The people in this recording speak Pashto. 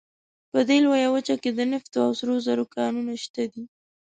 په دې لویه وچه کې د نفتو او سرو زرو کانونه شته دي.